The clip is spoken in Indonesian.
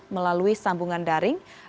melalui sambungan daring